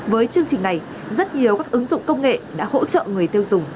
với chương trình này rất nhiều các ứng dụng công nghệ đã hỗ trợ người tiêu dùng